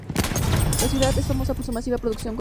La ciudad es famosa por su masiva producción de coco.